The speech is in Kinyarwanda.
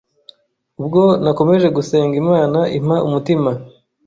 Ubwo nakomeje gusenga Imana impa umutima